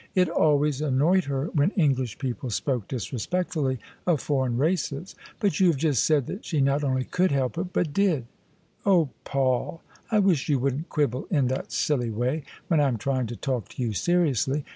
It always annoyed her when English people spoke disrespectfully of foreign races. '* But you have just said that she not only could help it, but did/' "Oh, Paul, I wish you wouldn't quibble in that silly way, when I am trying to talk to you seriously!